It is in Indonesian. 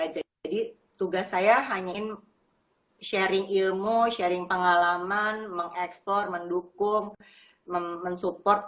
jadi tugas saya hanya sharing ilmu sharing pengalaman mengeksplore mendukung mensupport